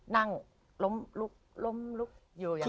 นั่งล้มลุกล้มลุกอยู่อย่าง